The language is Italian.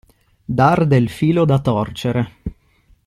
Dar del filo da torcere.